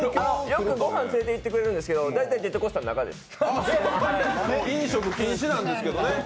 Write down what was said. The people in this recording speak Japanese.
よくご飯連れてってくれるんですけど、だいたいジェットコースターの中です。